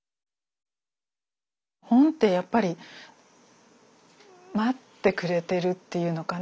本ってやっぱり待ってくれているっていうのかな。